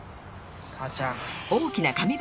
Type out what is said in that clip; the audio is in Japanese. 母ちゃん。